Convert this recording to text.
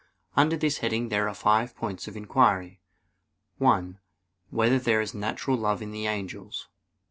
Under this heading there are five points of inquiry: (1) Whether there is natural love in the angels?